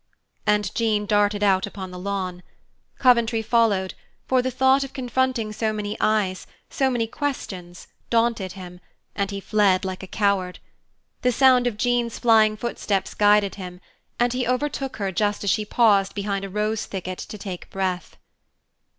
And Jean darted out upon the lawn. Coventry followed; for the thought of confronting so many eyes, so many questions, daunted him, and he fled like a coward. The sound of Jean's flying footsteps guided him, and he overtook her just as she paused behind a rose thicket to take breath.